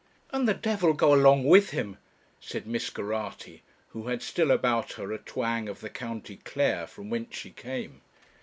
'And the d go along with him,' said Miss Geraghty, who had still about her a twang of the County Clare, from whence she came.